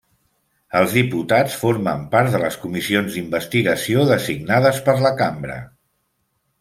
Els diputats formen part de les Comissions d'Investigació designades per la Cambra.